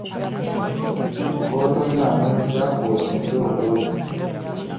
Kootonnamwesa, kootenda obw'ogi.